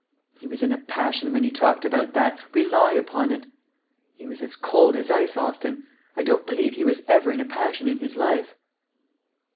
"He was in a passion when he talked about that, rely upon it." "He was as cold as ice, Austin. I don't believe he was ever in a passion in his life."